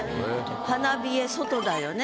「花冷」外だよね。